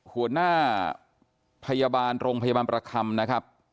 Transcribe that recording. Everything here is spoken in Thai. หัวหน้าพยาบาลโรงพยาบาลประคำนะครับ